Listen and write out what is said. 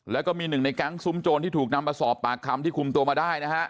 แล้วก็มีหนึ่งในแก๊งซุ้มโจรที่ถูกนำมาสอบปากคำที่คุมตัวมาได้นะฮะ